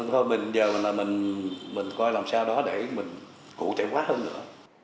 thôi bây giờ là mình coi làm sao đó để mình cụ thể quá hơn nữa